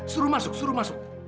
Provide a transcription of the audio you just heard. suruh masuk suruh masuk